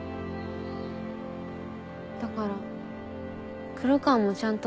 だから黒川もちゃんと。